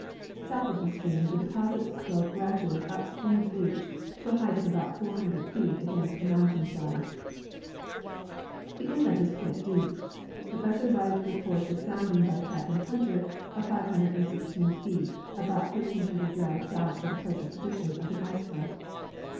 South of the stream the deposits slope gradually up from the beach to a height of about 400 feet against the mountain side.* The inlet is quite deep. Professor Wright reports a sounding by Captain Plunter of 516 feet about 1,300 yards south of the present position of the ice front.